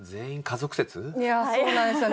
いやそうなんですよね。